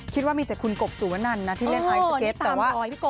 คิดว่ามีแต่คุณโกบสุวนันนะที่เล่นไอซ์สเก็ตแต่ว่านี่ตามรอยพี่โกบเลย